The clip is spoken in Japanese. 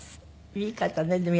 いい方ねでも。